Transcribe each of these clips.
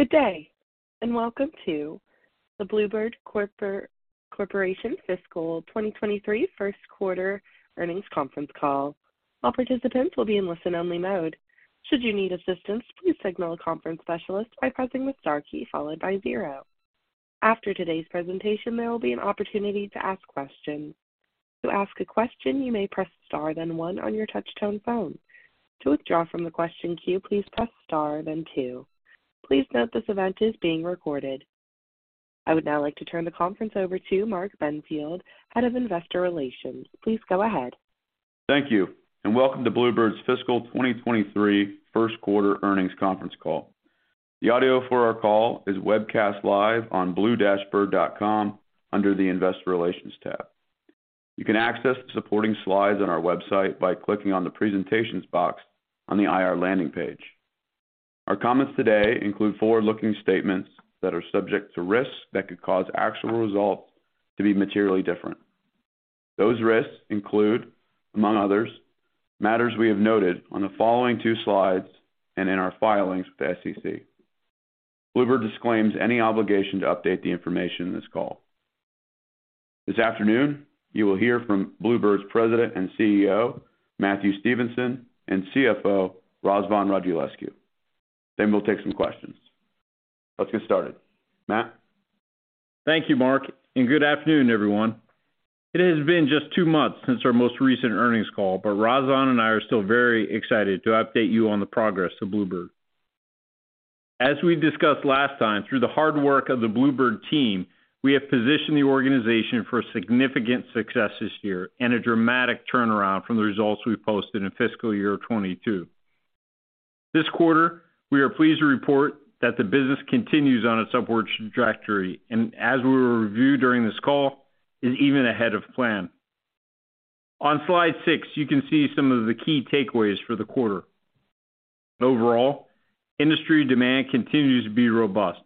Good day, welcome to the Blue Bird Corporation Fiscal 2023 First Quarter Earnings Conference Call. All participants will be in listen-only mode. Should you need assistance, please signal a conference specialist by pressing the Star key followed by zero. After today's presentation, there will be an opportunity to ask questions. To ask a question, you may press Star then one on your touch-tone phone. To withdraw from the question queue, please press Star then two. Please note this event is being recorded. I would now like to turn the conference over to Mark Benfield, Head of Investor Relations. Please go ahead. Thank you. Welcome to Blue Bird's Fiscal 2023 First Quarter Earnings Conference Call. The audio for our call is webcast live on blue-bird.com under the Investor Relations tab. You can access the supporting slides on our website by clicking on the presentations box on the IR landing page. Our comments today include forward-looking statements that are subject to risks that could cause actual results to be materially different. Those risks include, among others, matters we have noted on the following two slides and in our filings with the SEC. Blue Bird disclaims any obligation to update the information in this call. This afternoon, you will hear from Blue Bird's President and CEO, Matthew Stevenson, and CFO, Razvan Radulescu. We'll take some questions. Let's get started. Matt? Thank you, Mark, and good afternoon, everyone. It has been just two months since our most recent earnings call, but Razvan and I are still very excited to update you on the progress of Blue Bird. As we discussed last time, through the hard work of the Blue Bird team, we have positioned the organization for significant success this year and a dramatic turnaround from the results we posted in fiscal year 2022. This quarter, we are pleased to report that the business continues on its upwards trajectory and as we review during this call, is even ahead of plan. On slide six, you can see some of the key takeaways for the quarter. Overall, industry demand continues to be robust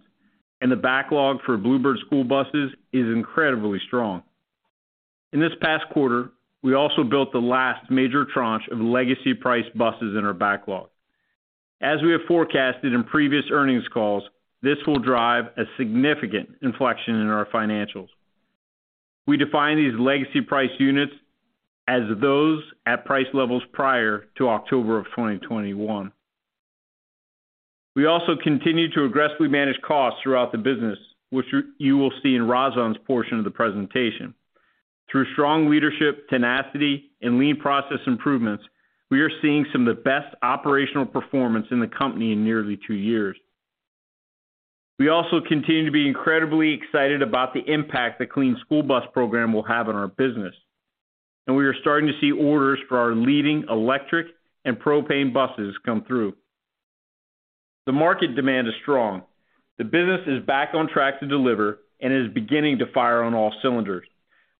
and the backlog for Blue Bird School Buses is incredibly strong. In this past quarter, we also built the last major tranche of legacy priced buses in our backlog. As we have forecasted in previous earnings calls, this will drive a significant inflection in our financials. We define these legacy price units as those at price levels prior to October of 2021. We also continue to aggressively manage costs throughout the business, which you will see in Razvan's portion of the presentation. Through strong leadership, tenacity, and lean process improvements, we are seeing some of the best operational performance in the company in nearly two years. We also continue to be incredibly excited about the impact the Clean School Bus Program will have on our business, and we are starting to see orders for our leading electric and propane buses come through. The market demand is strong. The business is back on track to deliver and is beginning to fire on all cylinders.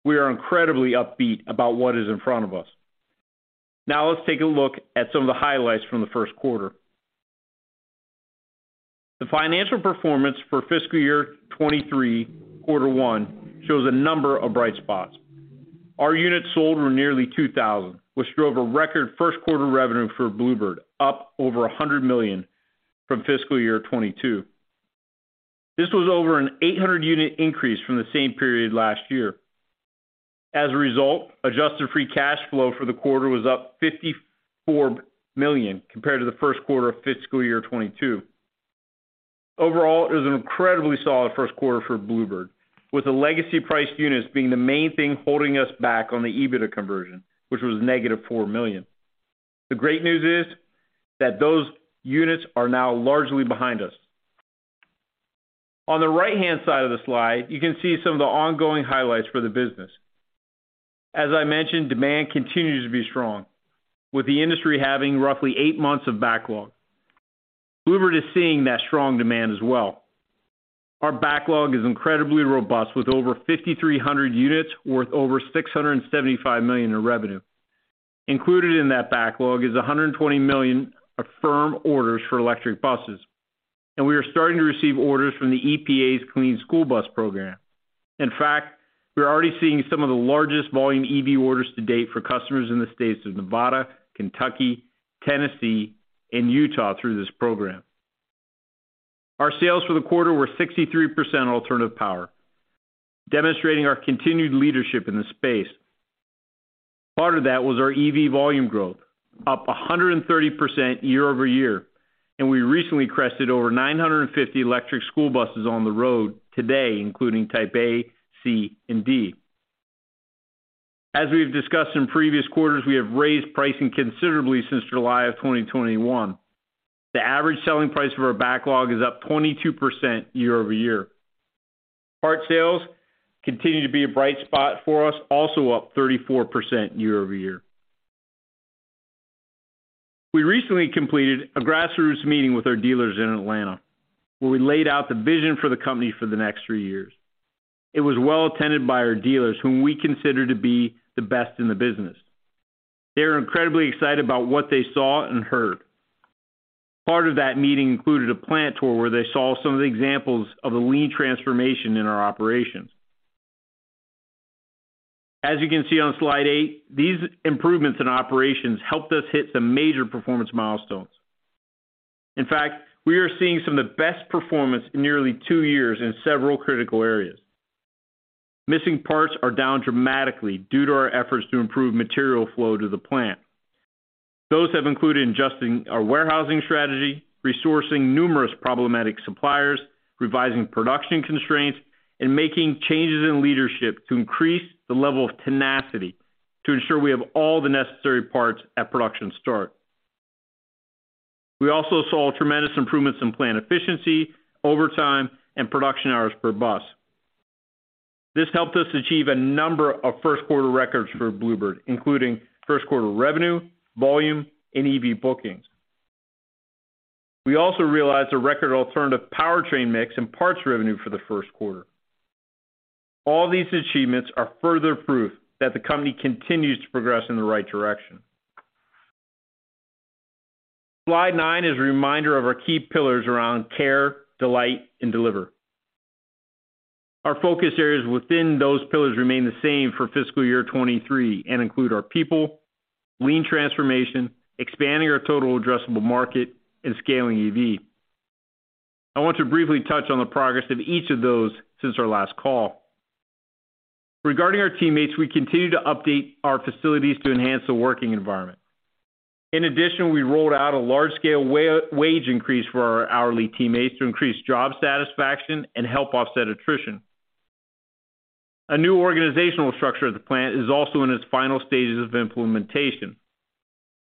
We are incredibly upbeat about what is in front of us. Now let's take a look at some of the highlights from the first quarter. The financial performance for fiscal year 2023, quarter one, shows a number of bright spots. Our units sold were nearly 2,000, which drove a record first quarter revenue for Blue Bird, up over $100 million from fiscal year 2022. This was over an 800 unit increase from the same period last year. As a result, adjusted free cash flow for the quarter was up $54 million compared to the first quarter of fiscal year 2022. Overall, it was an incredibly solid first quarter for Blue Bird, with the legacy priced units being the main thing holding us back on the EBITDA conversion, which was negative $4 million. The great news is that those units are now largely behind us. On the right-hand side of the slide, you can see some of the ongoing highlights for the business. As I mentioned, demand continues to be strong, with the industry having roughly eight months of backlog. Blue Bird is seeing that strong demand as well. Our backlog is incredibly robust, with over 5,300 units worth over $675 million in revenue. Included in that backlog is $120 million of firm orders for electric buses, and we are starting to receive orders from the EPA's Clean School Bus Program. In fact, we're already seeing some of the largest volume EV orders to date for customers in the states of Nevada, Kentucky, Tennessee, and Utah through this program. Our sales for the quarter were 63% alternative power, demonstrating our continued leadership in the space. Part of that was our EV volume growth, up 130% year-over-year, and we recently crested over 950 electric school buses on the road today, including Type A, C and D. As we have discussed in previous quarters, we have raised pricing considerably since July of 2021. The average selling price of our backlog is up 22% year-over-year. Part sales continue to be a bright spot for us, also up 34% year-over-year. We recently completed a grassroots meeting with our dealers in Atlanta, where we laid out the vision for the company for the next three years. It was well attended by our dealers, whom we consider to be the best in the business. They are incredibly excited about what they saw and heard. Part of that meeting included a plant tour where they saw some of the examples of the lean transformation in our operations. As you can see on slide eight, these improvements in operations helped us hit some major performance milestones. In fact, we are seeing some of the best performance in nearly two years in several critical areas. Missing parts are down dramatically due to our efforts to improve material flow to the plant. Those have included adjusting our warehousing strategy, resourcing numerous problematic suppliers, revising production constraints, and making changes in leadership to increase the level of tenacity to ensure we have all the necessary parts at production start. We also saw tremendous improvements in plant efficiency, overtime, and production hours per bus. This helped us achieve a number of first quarter records for Blue Bird, including first quarter revenue, volume, and EV bookings. We also realized a record alternative powertrain mix and parts revenue for the first quarter. All these achievements are further proof that the company continues to progress in the right direction. Slide nine is a reminder of our key pillars around care, delight, and deliver. Our focus areas within those pillars remain the same for fiscal year 2023, include our people, lean transformation, expanding our total addressable market, and scaling EV. I want to briefly touch on the progress of each of those since our last call. Regarding our teammates, we continue to update our facilities to enhance the working environment. We rolled out a large-scale wage increase for our hourly teammates to increase job satisfaction and help offset attrition. A new organizational structure at the plant is also in its final stages of implementation.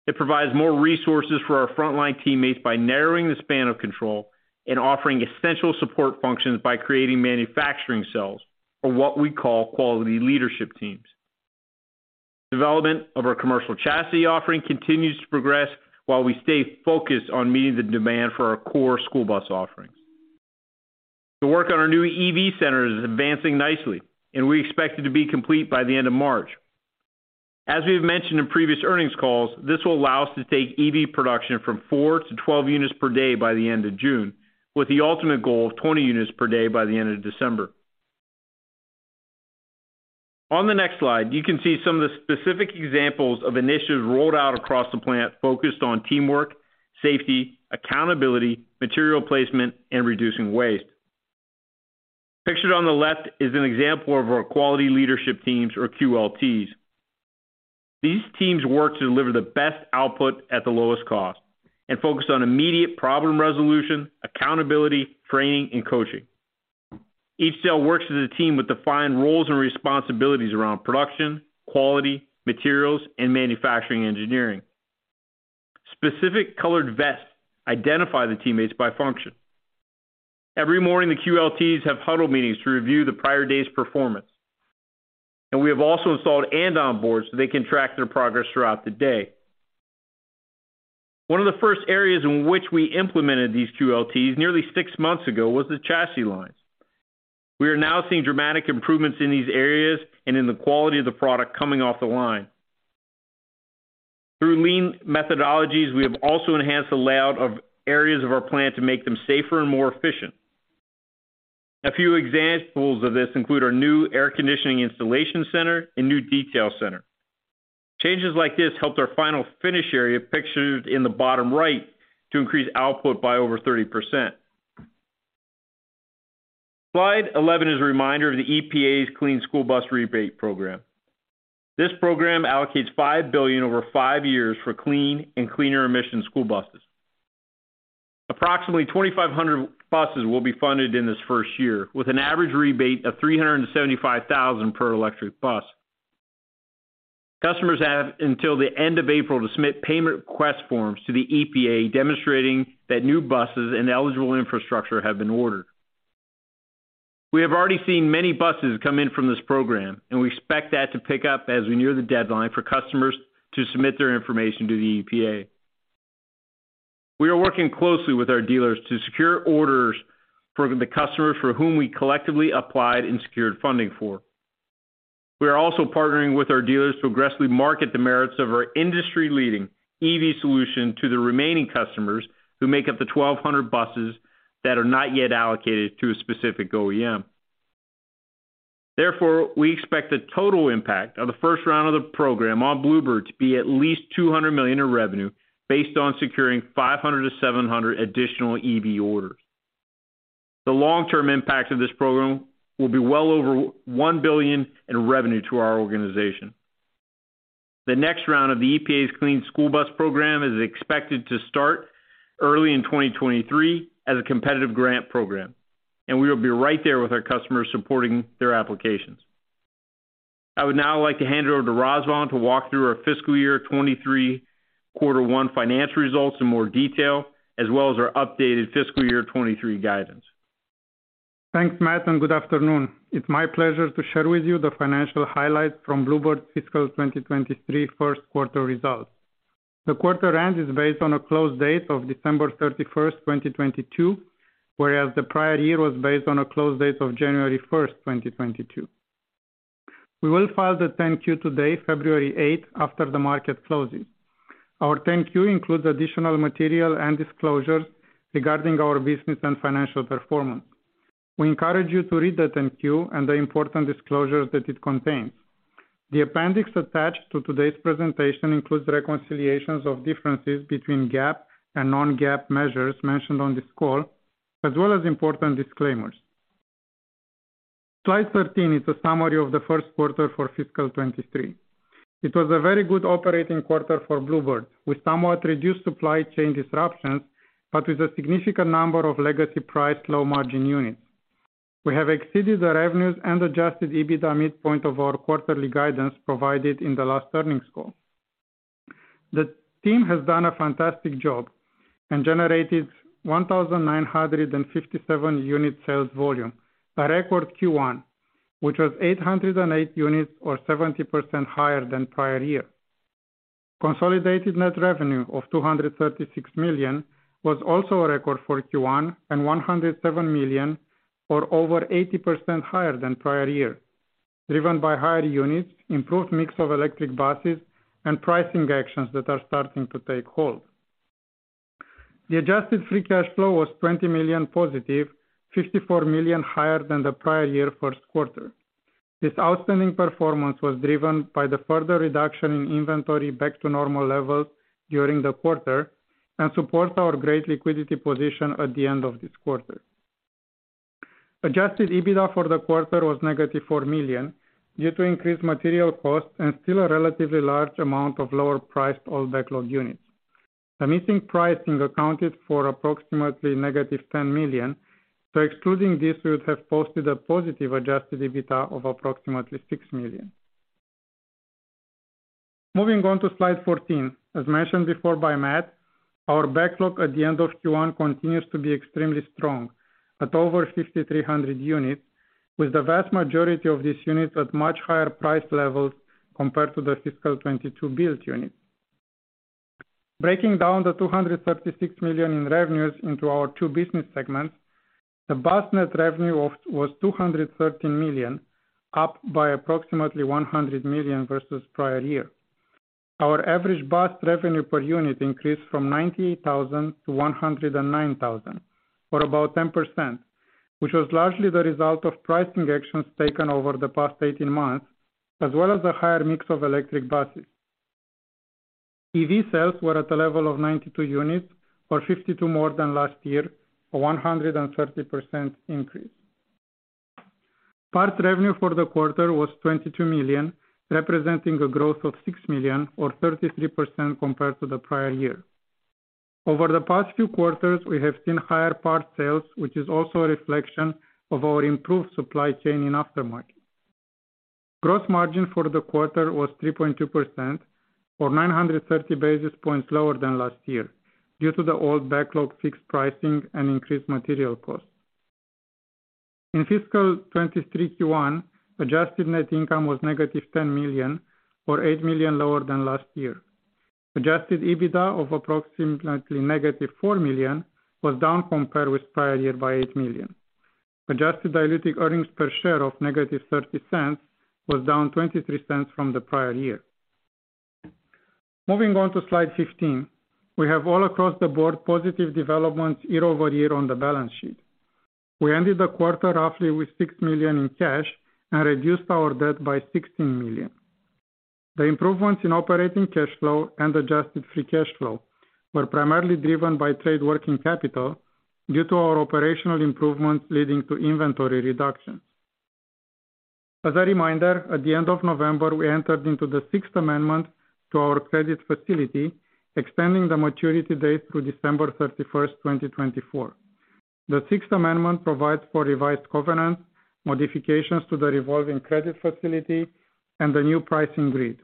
It provides more resources for our frontline teammates by narrowing the span of control and offering essential support functions by creating manufacturing cells, or what we call quality leadership teams. Development of our commercial chassis offering continues to progress while we stay focused on meeting the demand for our core school bus offerings. The work on our new EV center is advancing nicely, and we expect it to be complete by the end of March. As we have mentioned in previous earnings calls, this will allow us to take EV production from four to 12 units per day by the end of June, with the ultimate goal of 20 units per day by the end of December. On the next slide, you can see some of the specific examples of initiatives rolled out across the plant focused on teamwork, safety, accountability, material placement, and reducing waste. Pictured on the left is an example of our quality leadership teams or QLTs. These teams work to deliver the best output at the lowest cost and focus on immediate problem resolution, accountability, training, and coaching. Each cell works as a team with defined roles and responsibilities around production, quality, materials, and manufacturing engineering. Specific colored vests identify the teammates by function. Every morning, the QLTs have huddle meetings to review the prior day's performance. We have also installed Andon boards so they can track their progress throughout the day. One of the first areas in which we implemented these QLTs nearly six months ago was the chassis lines. We are now seeing dramatic improvements in these areas and in the quality of the product coming off the line. Through lean methodologies, we have also enhanced the layout of areas of our plant to make them safer and more efficient. A few examples of this include our new air conditioning installation center and new detail center. Changes like this helped our final finish area pictured in the bottom right to increase output by over 30%. Slide 11 is a reminder of the EPA's Clean School Bus Rebate Program. This program allocates $5 billion over five years for clean and cleaner emission school buses. Approximately 2,500 buses will be funded in this first year with an average rebate of $375,000 per electric bus. Customers have until the end of April to submit payment request forms to the EPA demonstrating that new buses and eligible infrastructure have been ordered. We have already seen many buses come in from this program, and we expect that to pick up as we near the deadline for customers to submit their information to the EPA. We are working closely with our dealers to secure orders for the customers for whom we collectively applied and secured funding for. We are also partnering with our dealers to aggressively market the merits of our industry-leading EV solution to the remaining customers who make up the 1,200 buses that are not yet allocated to a specific OEM. Therefore, we expect the total impact of the first round of the program on Blue Bird to be at least $200 million in revenue based on securing 500-700 additional EV orders. The long-term impacts of this program will be well over $1 billion in revenue to our organization. The next round of the EPA's Clean School Bus Program is expected to start early in 2023 as a competitive grant program, and we will be right there with our customers supporting their applications. I would now like to hand it over to Razvan to walk through our fiscal year 2023 quarter one financial results in more detail, as well as our updated fiscal year 2023 guidance. Thanks, Matt, and good afternoon. It's my pleasure to share with you the financial highlights from Blue Bird's fiscal 2023 first quarter results. The quarter end is based on a close date of December 31st, 2022, whereas the prior year was based on a close date of January 1st, 2022. We will file the 10-Q today, February 8, after the market closes. Our 10-Q includes additional material and disclosures regarding our business and financial performance. We encourage you to read the 10-Q and the important disclosures that it contains. The appendix attached to today's presentation includes reconciliations of differences between GAAP and non-GAAP measures mentioned on this call, as well as important disclaimers. Slide 13 is a summary of the first quarter for fiscal 2023. It was a very good operating quarter for Blue Bird, with somewhat reduced supply chain disruptions, but with a significant number of legacy priced low margin units. We have exceeded the revenues and adjusted EBITDA midpoint of our quarterly guidance provided in the last earnings call. The team has done a fantastic job and generated 1,957 unit sales volume, a record Q1, which was 808 units or 70% higher than prior year. Consolidated net revenue of $236 million was also a record for Q1 and $107 million, or over 80% higher than prior year, driven by higher units, improved mix of electric buses, and pricing actions that are starting to take hold. The adjusted free cash flow was $20 million+, $54 million higher than the prior year first quarter. This outstanding performance was driven by the further reduction in inventory back to normal levels during the quarter and supports our great liquidity position at the end of this quarter. adjusted EBITDA for the quarter was negative $4 million due to increased material costs and still a relatively large amount of lower priced old backlog units. The missing pricing accounted for approximately negative $10 million. Excluding this, we would have posted a positive adjusted EBITDA of approximately $6 million. Moving on to slide 14. As mentioned before by Matt, our backlog at the end of Q1 continues to be extremely strong at over 5,300 units, with the vast majority of these units at much higher price levels compared to the fiscal 2022 build units. Breaking down the $236 million in revenues into our two business segments, the bus net revenue was $213 million, up by approximately $100 million versus prior year. Our average bus revenue per unit increased from $98,000-$109,000, or about 10%, which was largely the result of pricing actions taken over the past 18 months, as well as a higher mix of electric buses. EV sales were at a level of 92 units, or 52 more than last year, a 130% increase. Part revenue for the quarter was $22 million, representing a growth of $6 million or 33% compared to the prior year. Over the past few quarters, we have seen higher part sales, which is also a reflection of our improved supply chain in aftermarket. Gross margin for the quarter was 3.2% or 930 basis points lower than last year due to the old backlog fixed pricing and increased material costs. In fiscal 2023 Q1, adjusted net income was negative $10 million or $8 million lower than last year. Adjusted EBITDA of approximately negative $4 million was down compared with prior year by $8 million. Adjusted diluted earnings per share of negative $0.30 was down $0.23 from the prior year. Moving on to slide 15. We have all across the board positive developments year-over-year on the balance sheet. We ended the quarter roughly with $6 million in cash and reduced our debt by $16 million. The improvements in operating cash flow and adjusted free cash flow were primarily driven by trade working capital due to our operational improvements leading to inventory reductions. As a reminder, at the end of November, we entered into the sixth amendment to our credit facility, extending the maturity date to December 31st, 2024. The sixth amendment provides for revised covenants, modifications to the revolving credit facility and a new pricing grid.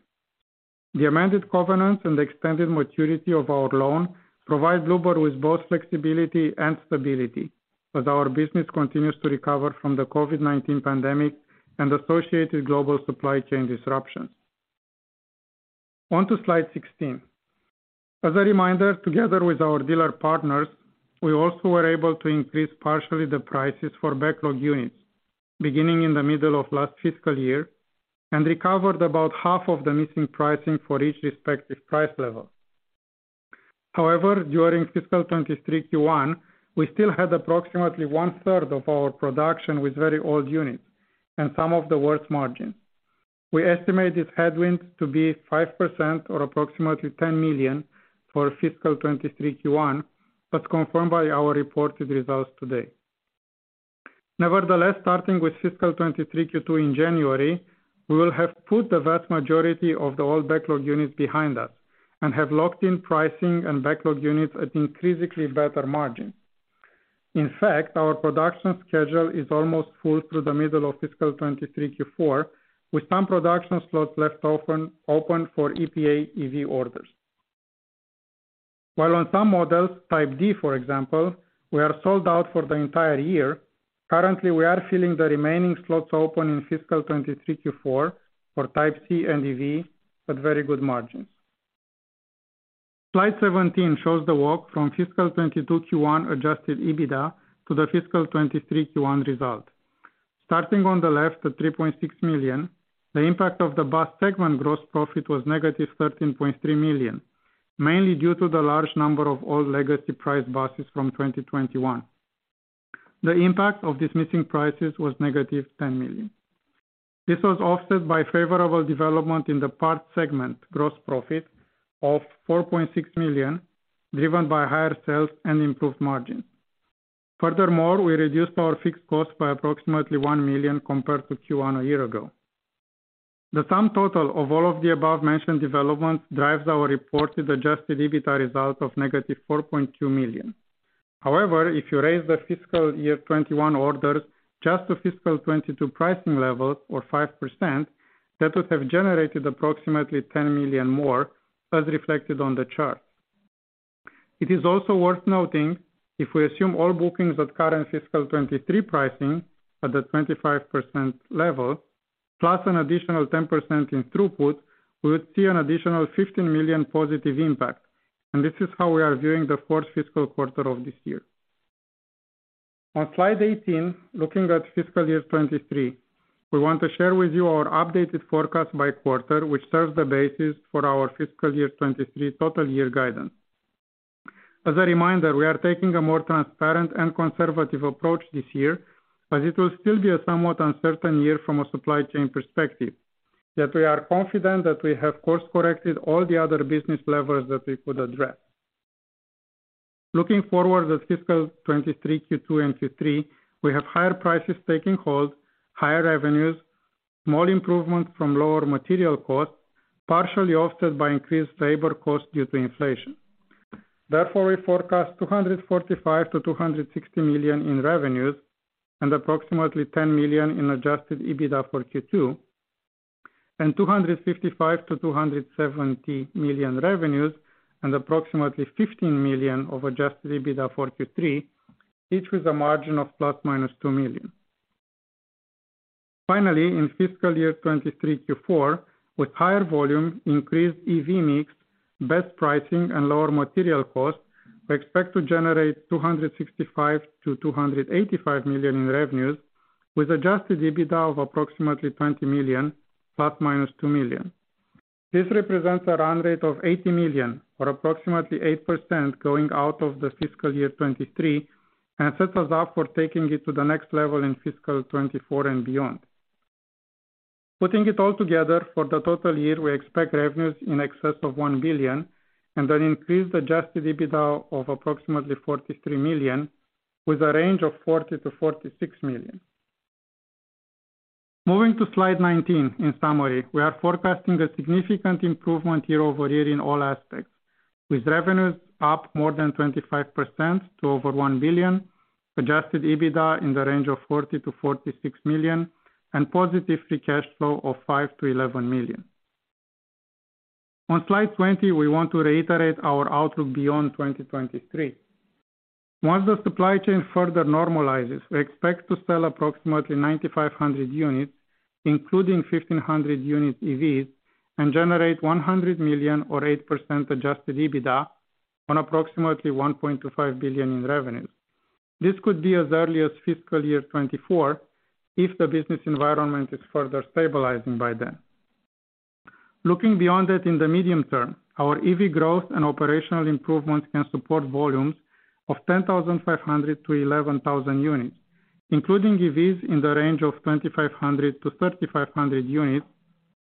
The amended covenants and the extended maturity of our loan provide Blue Bird with both flexibility and stability as our business continues to recover from the COVID-19 pandemic and associated global supply chain disruptions. On to slide 16. As a reminder, together with our dealer partners, we also were able to increase partially the prices for backlog units beginning in the middle of last fiscal year, recovered about half of the missing pricing for each respective price level. However, during fiscal '23 Q1, we still had approximately one-third of our production with very old units and some of the worst margins. We estimated headwinds to be 5% or approximately $10 million for fiscal 2023 Q1. Confirmed by our reported results today. Nevertheless, starting with fiscal 2023 Q2 in January, we will have put the vast majority of the old backlog units behind us and have locked in pricing and backlog units at increasingly better margins. In fact, our production schedule is almost full through the middle of fiscal 2023 Q4, with some production slots left open for EPA EV orders. On some models, Type D, for example, we are sold out for the entire year. Currently, we are filling the remaining slots open in fiscal 2023 Q4 for Type C and EV at very good margins. Slide 17 shows the walk from fiscal 2022 Q1 adjusted EBITDA to the fiscal 2023 Q1 result. Starting on the left at $3.6 million, the impact of the bus segment gross profit was negative $13.3 million, mainly due to the large number of old legacy priced buses from 2021. The impact of these missing prices was negative $10 million. This was offset by favorable development in the parts segment gross profit of $4.6 million, driven by higher sales and improved margins. Furthermore, we reduced our fixed costs by approximately $1 million compared to Q1 a year ago. The sum total of all of the above-mentioned developments drives our reported adjusted EBITDA result of negative $4.2 million. However, if you raise the fiscal year 2021 orders just to fiscal 2022 pricing levels or 5%, that would have generated approximately $10 million more, as reflected on the chart. It is also worth noting, if we assume all bookings at current fiscal 2023 pricing at the 25% level, plus an additional 10% in throughput, we would see an additional $15 million positive impact. This is how we are viewing the fourth fiscal quarter of this year. On Slide 18, looking at fiscal year 2023, we want to share with you our updated forecast by quarter, which serves the basis for our fiscal year 2023 total year guidance. As a reminder, we are taking a more transparent and conservative approach this year, as it will still be a somewhat uncertain year from a supply chain perspective. Yet we are confident that we have course-corrected all the other business levers that we could address. Looking forward at fiscal 2023 Q2 and Q3, we have higher prices taking hold, higher revenues, small improvements from lower material costs, partially offset by increased labor costs due to inflation. Therefore, we forecast $245 million-$260 million in revenues and approximately $10 million in adjusted EBITDA for Q2, and $255 million-$270 million revenues and approximately $15 million of adjusted EBITDA for Q3, each with a margin of ±$2 million. Finally, in fiscal year 2023 Q4, with higher volume, increased EV mix, best pricing, and lower material costs, we expect to generate $265 million-$285 million in revenues, with adjusted EBITDA of approximately $20 million ±$2 million. This represents a run rate of $80 million or approximately 8% going out of the fiscal year 2023 and sets us up for taking it to the next level in fiscal 2024 and beyond. Putting it all together, for the total year, we expect revenues in excess of $1 billion and an increased adjusted EBITDA of approximately $43 million, with a range of $40 million-$46 million. Moving to slide 19, in summary, we are forecasting a significant improvement year-over-year in all aspects, with revenues up more than 25% to over $1 billion, adjusted EBITDA in the range of $40 million-$46 million, and positive free cash flow of $5 million-$11 million. On slide 20, we want to reiterate our outlook beyond 2023. Once the supply chain further normalizes, we expect to sell approximately 9,500 units, including 1,500 units EVs, and generate $100 million or 8% adjusted EBITDA on approximately $1.25 billion in revenues. This could be as early as fiscal year 2024 if the business environment is further stabilizing by then. Looking beyond that in the medium term, our EV growth and operational improvements can support volumes of 10,500-11,000 units, including EVs in the range of 2,500-3,500 units,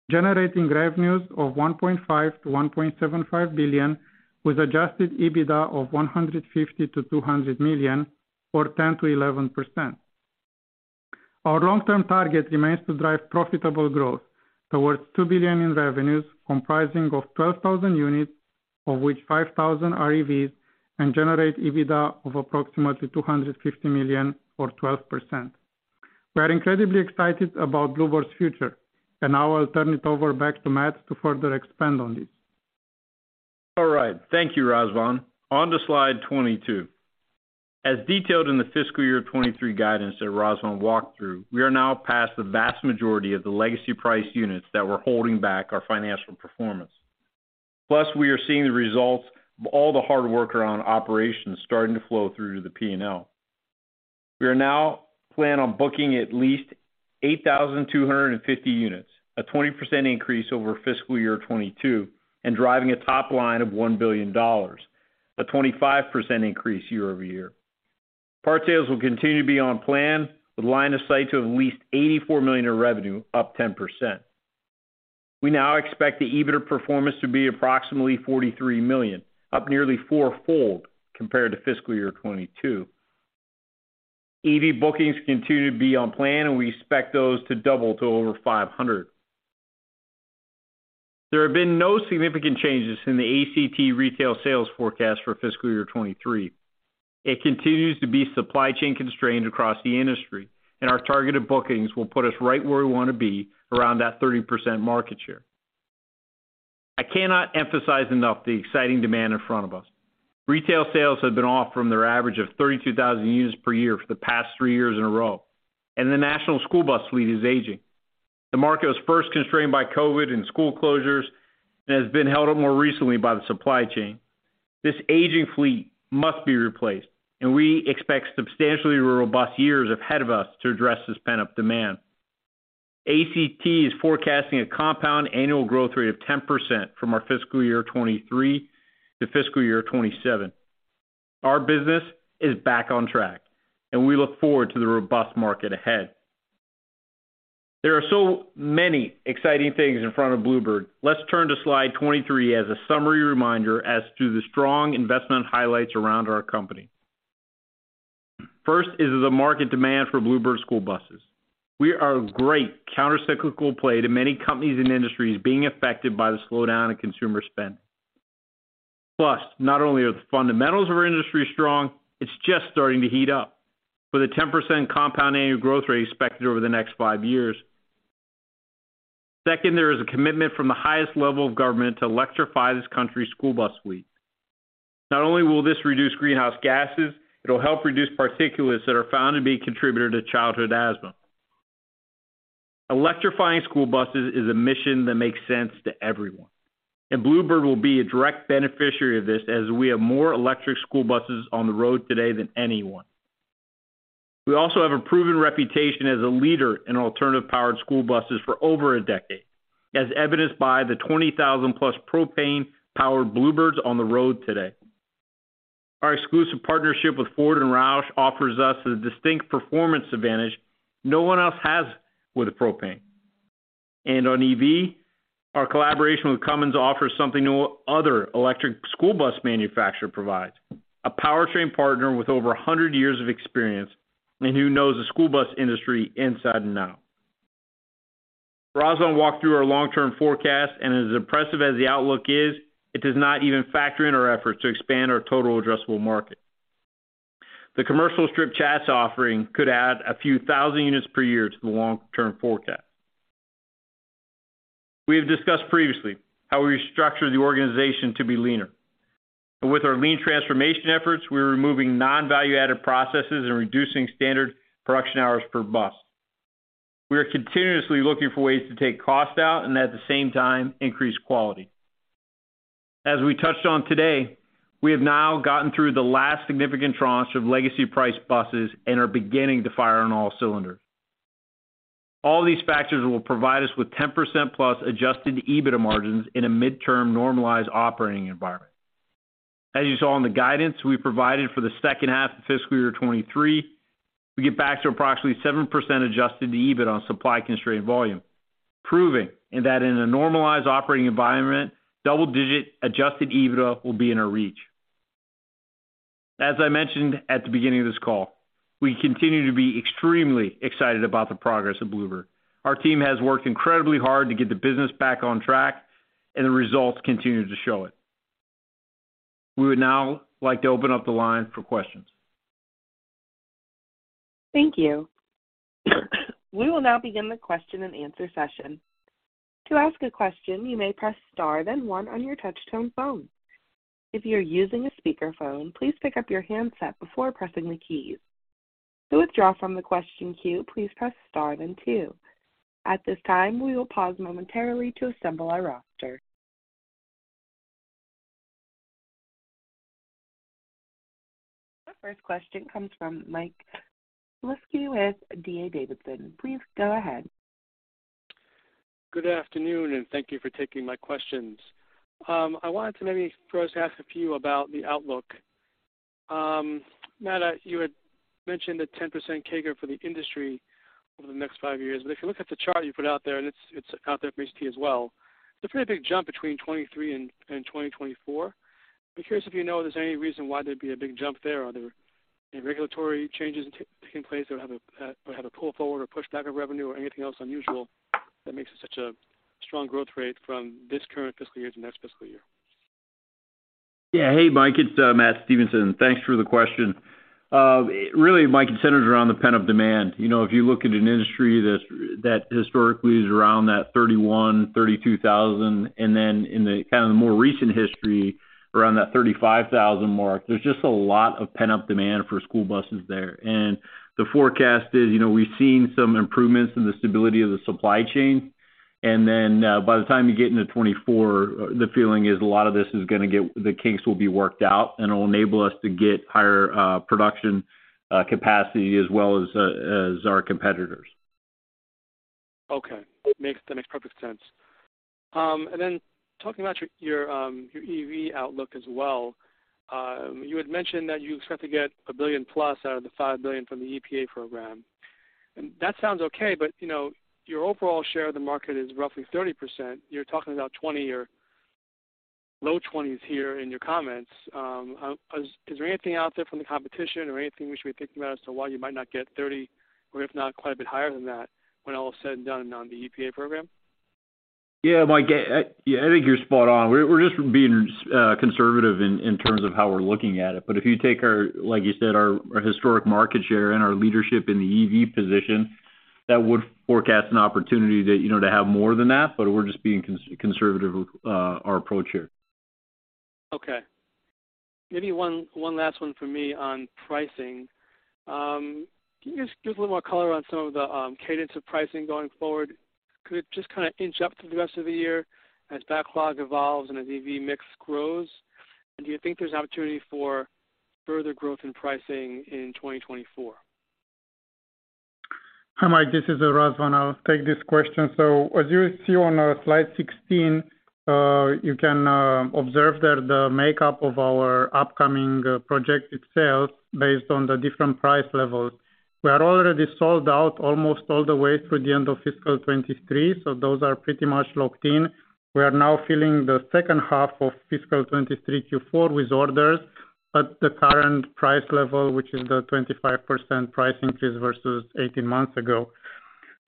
generating revenues of $1.5 billion-$1.75 billion with adjusted EBITDA of $150 million-$200 million or 10%-11%.Our long-term target remains to drive profitable growth towards $2 billion in revenues, comprising of 12,000 units, of which 5,000 are EVs, and generate EBITDA of approximately $250 million or 12%. We are incredibly excited about Blue Bird's future. Now I'll turn it over back to Matt to further expand on this. All right. Thank you, Razvan. On to slide 22. As detailed in the fiscal year 2023 guidance that Razvan walked through, we are now past the vast majority of the legacy price units that were holding back our financial performance. We are seeing the results of all the hard work around operations starting to flow through to the P&L. We are now plan on booking at least 8,250 units, a 20% increase over fiscal year 2022 and driving a top line of $1 billion, a 25% increase year-over-year. Car sales will continue to be on plan with line of sight to at least $84 million in revenue, up 10%. We now expect the EBITDA performance to be approximately $43 million, up nearly four-fold compared to fiscal year 2022. EV bookings continue to be on plan, and we expect those to double to over 500. There have been no significant changes in the ACT Research retail sales forecast for fiscal year 2023. It continues to be supply chain constrained across the industry. Our targeted bookings will put us right where we want to be, around that 30% market share. I cannot emphasize enough the exciting demand in front of us. Retail sales have been off from their average of 32,000 units per year for the past three years in a row, and the national school bus fleet is aging. The market was first constrained by COVID-19 and school closures and has been held up more recently by the supply chain. This aging fleet must be replaced, and we expect substantially robust years ahead of us to address this pent-up demand. ACT is forecasting a compound annual growth rate of 10% from our fiscal year 2023 to fiscal year 2027. Our business is back on track, and we look forward to the robust market ahead. There are so many exciting things in front of Blue Bird. Let's turn to slide 23 as a summary reminder as to the strong investment highlights around our company. First is the market demand for Blue Bird school buses. We are a great counter-cyclical play to many companies and industries being affected by the slowdown in consumer spend. Not only are the fundamentals of our industry strong, it's just starting to heat up with a 10% compound annual growth rate expected over the next five years. Second, there is a commitment from the highest level of government to electrify this country's school bus fleet. Not only will this reduce greenhouse gases, it'll help reduce particulates that are found to be a contributor to childhood asthma. Electrifying school buses is a mission that makes sense to everyone. Blue Bird will be a direct beneficiary of this as we have more electric school buses on the road today than anyone. We also have a proven reputation as a leader in alternative-powered school buses for over a decade, as evidenced by the 20,000+ propane-powered Blue Birds on the road today. Our exclusive partnership with Ford and Roush offers us a distinct performance advantage no one else has with propane. On EV, our collaboration with Cummins offers something no other electric school bus manufacturer provides, a powertrain partner with over 100 years of experience and who knows the school bus industry inside and out. Razvan Radulescu walked through our long-term forecast, and as impressive as the outlook is, it does not even factor in our efforts to expand our total addressable market. The commercial strip chassis offering could add a few thousand units per year to the long-term forecast. We have discussed previously how we restructure the organization to be leaner. With our lean transformation efforts, we're removing non-value-added processes and reducing standard production hours per bus. We are continuously looking for ways to take cost out and, at the same time, increase quality. As we touched on today, we have now gotten through the last significant tranche of legacy price buses and are beginning to fire on all cylinders. All these factors will provide us with 10%+ adjusted EBITDA margins in a midterm normalized operating environment. As you saw in the guidance we provided for the second half of fiscal year 2023, we get back to approximately 7% adjusted to EBITDA on supply-constrained volume, proving that in a normalized operating environment, double-digit adjusted EBITDA will be in our reach. As I mentioned at the beginning of this call, we continue to be extremely excited about the progress of Blue Bird. The results continue to show it. We would now like to open up the line for questions. Thank you. We will now begin the question-and-answer session. To ask a question, you may press star, then one on your touch-tone phone. If you're using a speakerphone, please pick up your handset before pressing the keys. To withdraw from the question queue, please press star, then two. At this time, we will pause momentarily to assemble our roster. The first question comes from Michael Shlisky with D.A. Davidson. Please go ahead. Thank you for taking my questions. I wanted to maybe first ask a few about the outlook. Matt, you had mentioned the 10% CAGR for the industry over the next five years, but if you look at the chart you put out there, and it's out there for ACT as well, it's a pretty big jump between 2023 and 2024. I'm curious if you know if there's any reason why there'd be a big jump there. Are there any regulatory changes taking place that have a or have a pull forward or push back of revenue or anything else unusual that makes it such a strong growth rate from this current fiscal year to next fiscal year? Yeah. Hey, Mike, it's Matt Stevenson. Thanks for the question. Really, Mike, it centers around the pent-up demand. You know, if you look at an industry that's, that historically is around that 31,000-32,000, and then in the kind of more recent history around that 35,000 mark, there's just a lot of pent-up demand for school buses there. The forecast is, you know, we've seen some improvements in the stability of the supply chain. Then, by the time you get into 2024, the feeling is the kinks will be worked out, and it'll enable us to get higher production capacity as well as as our competitors. Okay. That makes perfect sense. Then talking about your EV outlook as well, you had mentioned that you expect to get $1 billion+ out of the $5 billion from the EPA program. That sounds okay, but you know, your overall share of the market is roughly 30%. You're talking about 20 or low 20s here in your comments. Is there anything out there from the competition or anything we should be thinking about as to why you might not get 30 or if not quite a bit higher than that when all is said and done on the EPA program? Yeah, Mike, yeah, I think you're spot on. We're just being conservative in terms of how we're looking at it. If you take our, like you said, our historic market share and our leadership in the EV position, that would forecast an opportunity to, you know, to have more than that, but we're just being conservative with our approach here. Okay. Maybe one last one for me on pricing, can you just give a little more color on some of the cadence of pricing going forward? Could it just kinda inch up through the rest of the year as backlog evolves and as EV mix grows? Do you think there's opportunity for further growth in pricing in 2024? Hi, Mike, this is Razvan. I'll take this question. As you see on slide 16, you can observe there the makeup of our upcoming projected sales based on the different price levels. We are already sold out almost all the way through the end of fiscal 2023. Those are pretty much locked in. We are now filling the second half of fiscal 2023 Q4 with orders at the current price level, which is the 25% price increase versus 18 months ago.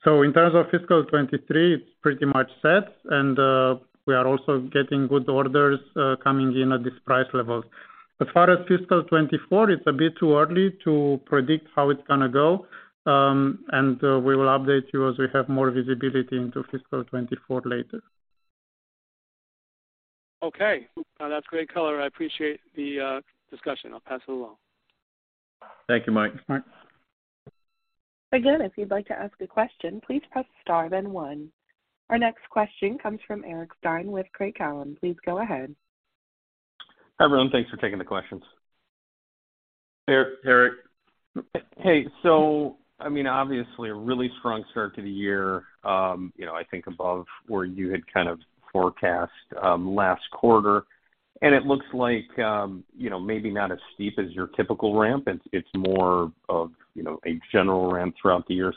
In terms of fiscal 2023, it's pretty much set, and we are also getting good orders coming in at this price level. As far as fiscal 2024, it's a bit too early to predict how it's gonna go, and we will update you as we have more visibility into fiscal 2024 later. Okay. No, that's great color. I appreciate the discussion. I'll pass it along. Thank you, Mike. Thanks. Again, if you'd like to ask a question, please press star then one. Our next question comes from Eric Stine with Craig-Hallum. Please go ahead. Hi, everyone. Thanks for taking the questions. Hey, Eric. Hey. I mean, obviously a really strong start to the year. You know, I think above where you had kind of forecast last quarter. It looks like, you know, maybe not as steep as your typical ramp. It's more of, you know, a general ramp throughout the year.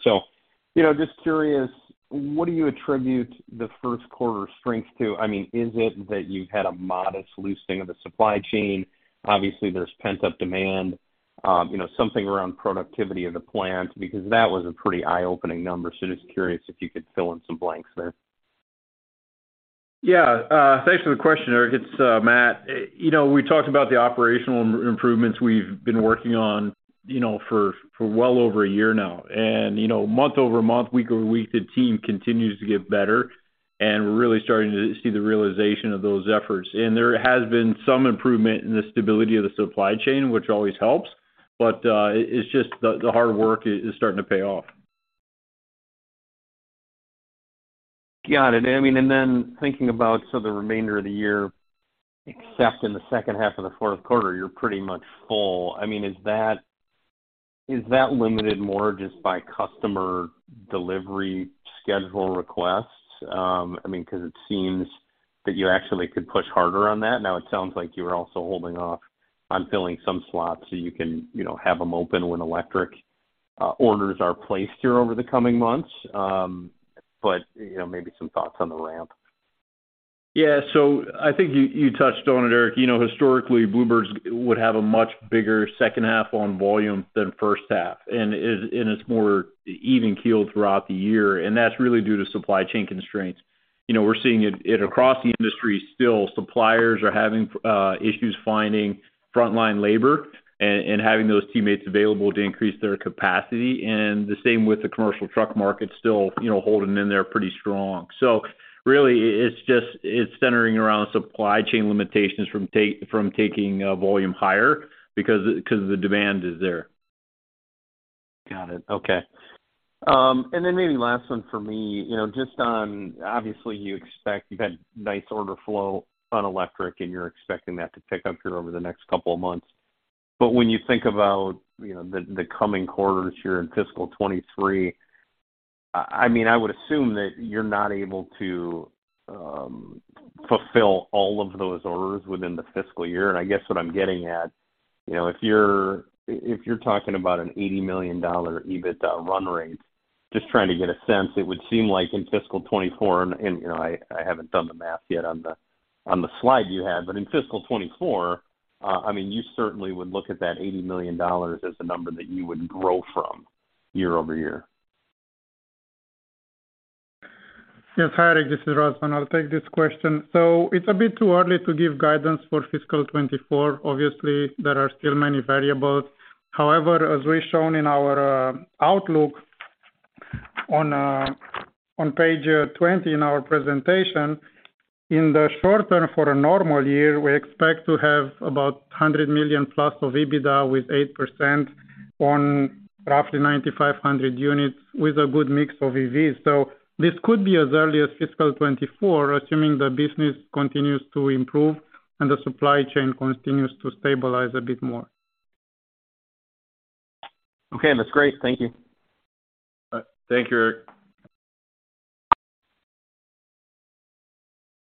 You know, just curious, what do you attribute the first quarter strength to? I mean, is it that you had a modest loosening of the supply chain? Obviously, there's pent-up demand. You know, something around productivity of the plant, because that was a pretty eye-opening number. Just curious if you could fill in some blanks there. Yeah. Thanks for the question, Eric. It's Matt. You know, we talked about the operational improvements we've been working on, you know, for well over a year now. You know, month-over-month, week-over-week, the team continues to get better, and we're really starting to see the realization of those efforts. There has been some improvement in the stability of the supply chain, which always helps. It's just the hard work is starting to pay off. Got it. I mean, thinking about the remainder of the year, except in the second half of the fourth quarter, you're pretty much full. I mean, is that limited more just by customer delivery schedule requests? I mean, 'cause it seems that you actually could push harder on that. Now, it sounds like you're also holding off on filling some slots so you can, you know, have them open when electric orders are placed here over the coming months. You know, maybe some thoughts on the ramp. Yeah. I think you touched on it, Eric. You know, historically, Blue Bird's would have a much bigger second half on volume than first half, and it's more even-keeled throughout the year, and that's really due to supply chain constraints. You know, we're seeing it across the industry still. Suppliers are having issues finding frontline labor and having those teammates available to increase their capacity, and the same with the commercial truck market still, you know, holding in there pretty strong. Really it's just centering around supply chain limitations from taking volume higher because the demand is there. Got it. Okay. Maybe last one for me, you know, just on obviously you expect you've had nice order flow on electric, and you're expecting that to pick up here over the next couple of months. When you think about, you know, the coming quarters here in fiscal 2023, I mean, I would assume that you're not able to fulfill all of those orders within the fiscal year. I guess what I'm getting at, you know, if you're talking about an $80 million EBITDA run rate, just trying to get a sense, it would seem like in fiscal 2024, and, you know, I haven't done the math yet on the, on the slide you had, in fiscal 2024, I mean, you certainly would look at that $80 million as the number that you would grow from year over year. Yes. Hi, Eric, this is Razvan. I'll take this question. It's a bit too early to give guidance for fiscal 2024. Obviously, there are still many variables. However, as we've shown in our outlook on page 20 in our presentation, in the short term, for a normal year, we expect to have about $100 million+ of EBITDA with 8% on roughly 9,500 units with a good mix of EVs. This could be as early as fiscal 2024, assuming the business continues to improve and the supply chain continues to stabilize a bit more. Okay. That's great. Thank you. Thank you, Eric.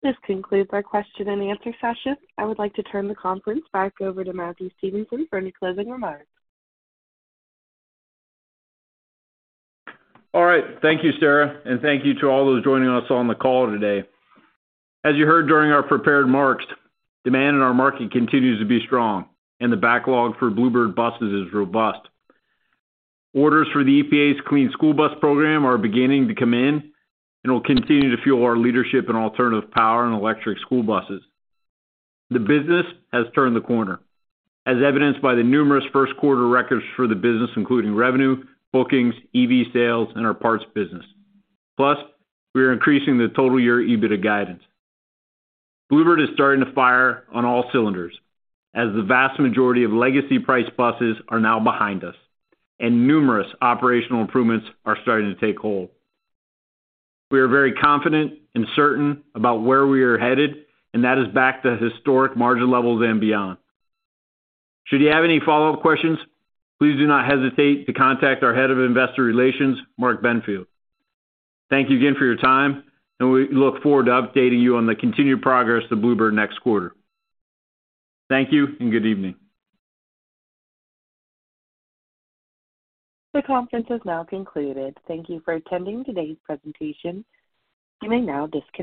This concludes our question and answer session. I would like to turn the conference back over to Matthew Stevenson for any closing remarks. All right. Thank you, Sarah, and thank you to all those joining us on the call today. As you heard during our prepared remarks, demand in our market continues to be strong and the backlog for Blue Bird buses is robust. Orders for the EPA's Clean School Bus Program are beginning to come in and will continue to fuel our leadership in alternative power and electric school buses. The business has turned the corner, as evidenced by the numerous first quarter records for the business, including revenue, bookings, EV sales, and our parts business. We are increasing the total year EBITDA guidance. Blue Bird is starting to fire on all cylinders as the vast majority of legacy price buses are now behind us and numerous operational improvements are starting to take hold. We are very confident and certain about where we are headed, and that is back to historic margin levels and beyond. Should you have any follow-up questions, please do not hesitate to contact our Head of Investor Relations, Mark Benfield. Thank you again for your time, and we look forward to updating you on the continued progress of Blue Bird next quarter. Thank you and good evening. The conference has now concluded. Thank you for attending today's presentation. You may now disconnect.